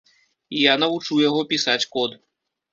І я навучу яго пісаць код.